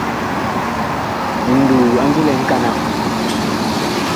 Nduu a ngi lɛ nkanag.